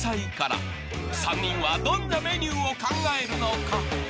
［３人はどんなメニューを考えるのか］